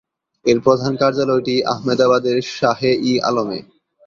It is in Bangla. এর প্রধান কার্যালয়টি আহমেদাবাদের শাহে-ই-আলমে।